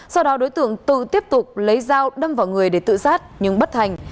sau đó đối tượng tự tiếp tục lấy dao đâm vào người để tự sát nhưng bất thành